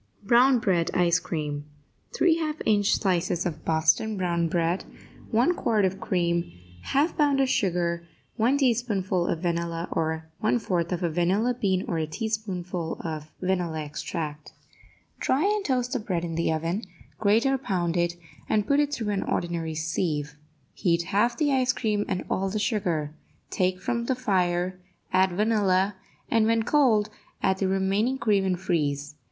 BROWN BREAD ICE CREAM 3 half inch slices of Boston Brown Bread 1 quart of cream 1/2 pound of sugar 1 teaspoonful of vanilla or 1/4 of a vanilla bean or a teaspoonful of vanilla extract Dry and toast the bread in the oven, grate or pound it, and put it through an ordinary sieve. Heat half the cream and all the sugar; take from the fire, add vanilla, and, when cold, add the remaining cream, and freeze.